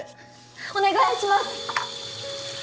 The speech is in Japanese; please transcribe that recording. お願いします！